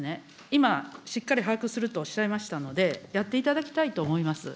今、しっかり把握するとおっしゃいましたので、やっていただきたいと思います。